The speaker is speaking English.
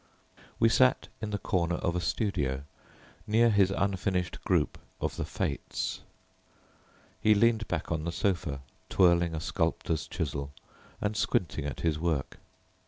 We sat in the corner of a studio near his unfinished group of the "Fates." He leaned back on the sofa, twirling a sculptor's chisel and squinting at his work.